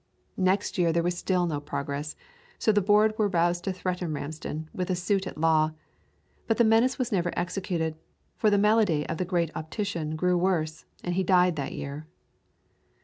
Next year there was still no progress, so the Board were roused to threaten Ramsden with a suit at law; but the menace was never executed, for the malady of the great optician grew worse, and he died that year.